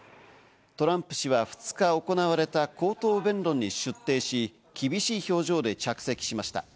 トランプ氏は２日行われた口頭弁論に出廷し、厳しい表情で着席しました。